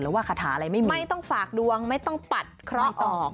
ว่าคาถาอะไรไม่มีไม่ต้องฝากดวงไม่ต้องปัดเคราะห์ออก